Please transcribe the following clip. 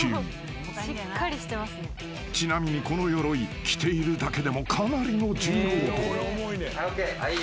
［ちなみにこのヨロイ］［着ているだけでもかなりの重労働］はいＯＫ。